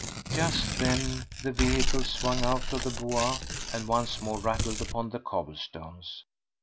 Just then the vehicle swung out of the Bois and once more rattled upon the cobblestones.